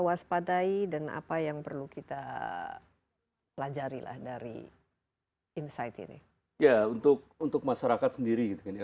waspadai dan apa yang perlu kita pelajari lah dari insight ini ya untuk untuk masyarakat sendiri gitu kan ya